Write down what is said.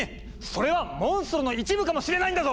それはモンストロの一部かもしれないんだぞ！